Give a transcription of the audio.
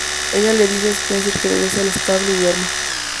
Ella le dice a Spencer que regrese al establo y duerma.